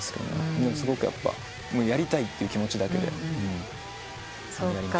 でもすごくやっぱやりたいっていう気持ちだけでやりました。